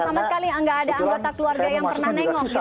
sama sekali nggak ada anggota keluarga yang pernah nengok gitu